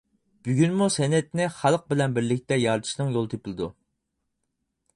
بۈگۈنمۇ سەنئەتنى خەلق بىلەن بىرلىكتە يارىتىشنىڭ يولى تېپىلىدۇ.